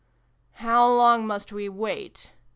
" How long must we wait